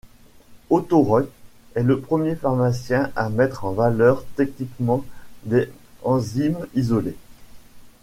Otto Röhm est le premier pharmacien à mettre en valeur techniquement des enzymes isolées.